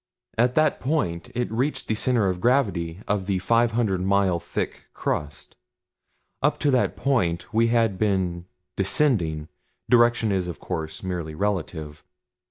At that point it reached the center of gravity of the five hundred mile thick crust. Up to that point we had been descending direction is, of course, merely relative.